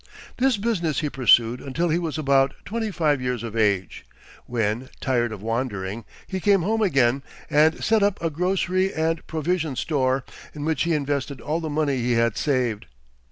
This business he pursued until he was about twenty five years of age, when, tired of wandering, he came home again, and set up a grocery and provision store, in which he invested all the money he had saved.